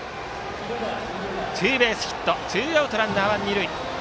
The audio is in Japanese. ツーベースヒットツーアウト、ランナーは二塁。